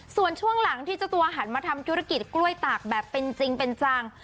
ส่วนช่วงหลังที่เจ้าตัวหันมาทำธุรกิจกล้วยตากแบบเป็นจริงเป็นจัง